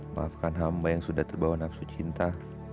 maafkan hamba yang sudah terbawa nafsu cinta